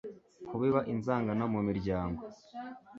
Kubiba inzangano mu miryango